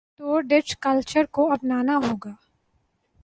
تو Dutch culture کو اپنا نا ہو گا۔